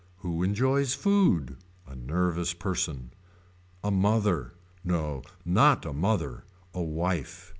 Who enjoys food. A nervous person. A mother. No not a mother A wife.